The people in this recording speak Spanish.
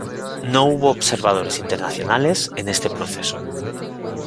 No hubo observadores internacionales en este proceso.